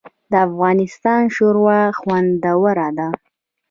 د افغانستان شوروا خوندوره ده